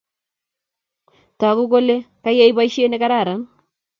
Toku kole kaiyai boisiet ne kararan